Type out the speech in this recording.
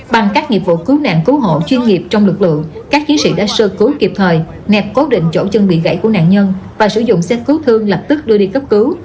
bằng các nghiệp vụ cứu nạn cứu hộ chuyên nghiệp trong lực lượng các chiến sĩ đã sơ cứu kịp thời nẹt cố định chỗ chân bị gãy của nạn nhân và sử dụng xe cứu thương lập tức đưa đi cấp cứu